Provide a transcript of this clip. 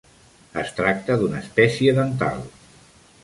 Es tracta d'una espècie dental.